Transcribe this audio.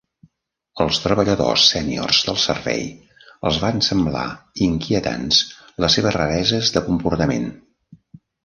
Als treballadors sèniors del Servei els van semblar inquietants les seves rareses de comportament.